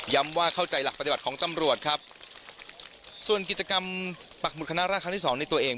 ว่าเข้าใจหลักปฏิบัติของตำรวจครับส่วนกิจกรรมปักหุดคณะราชครั้งที่สองในตัวเอง